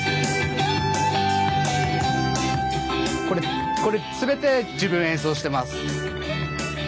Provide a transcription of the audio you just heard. これこれ全て自分演奏してます。